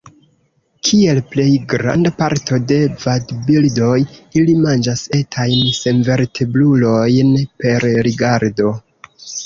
Kiel plej granda parto de vadbirdoj, ili manĝas etajn senvertebrulojn per rigardo.